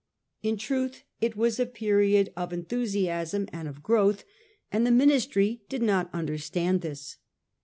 In truth it was a period of enthu siasm and of growth, and the Ministry did not under stand this.